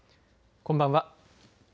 こんばんは。